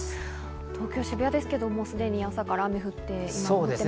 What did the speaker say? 東京・渋谷ですけど、すでに朝から雨が降っていますね。